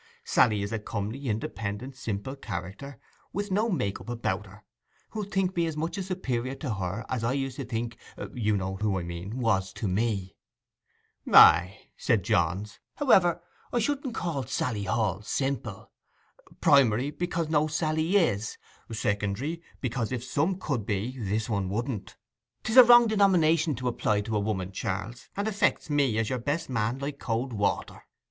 Sally is a comely, independent, simple character, with no make up about her, who'll think me as much a superior to her as I used to think—you know who I mean—was to me.' 'Ay,' said Johns. 'However, I shouldn't call Sally Hall simple. Primary, because no Sally is; secondary, because if some could be, this one wouldn't. 'Tis a wrong denomination to apply to a woman, Charles, and affects me, as your best man, like cold water.